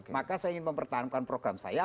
maka saya ingin mempertahankan program saya